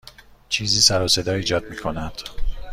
چیزی سر و صدا ایجاد می کند.